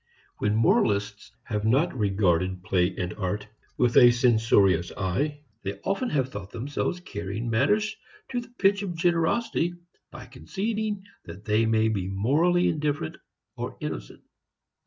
When moralists have not regarded play and art with a censorious eye, they often have thought themselves carrying matters to the pitch of generosity by conceding that they may be morally indifferent or innocent.